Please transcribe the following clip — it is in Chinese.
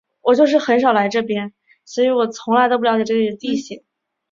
金属量通常是通过对光球中铁的相对于氢的丰度来决定。